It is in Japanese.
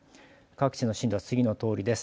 各地の震度は次のとおりです。